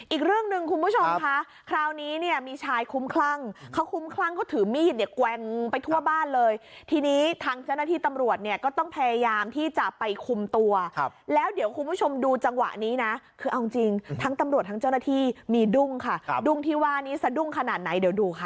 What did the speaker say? อีกเรื่องหนึ่งคุณผู้ชมค่ะคราวนี้เนี่ยมีชายคุ้มคลั่งเขาคุ้มคลั่งเขาถือมีดเนี่ยแกว่งไปทั่วบ้านเลยทีนี้ทางเจ้าหน้าที่ตำรวจเนี่ยก็ต้องพยายามที่จะไปคุมตัวแล้วเดี๋ยวคุณผู้ชมดูจังหวะนี้นะคือเอาจริงทั้งตำรวจทั้งเจ้าหน้าที่มีดุ้งค่ะดุ้งที่ว่านี้สะดุ้งขนาดไหนเดี๋ยวดูค่ะ